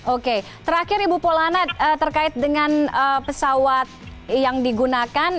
oke terakhir ibu polana terkait dengan pesawat yang digunakan